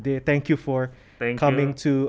terima kasih telah datang ke